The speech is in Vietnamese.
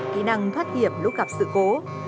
kỹ năng thoát hiểm lúc gặp sự cố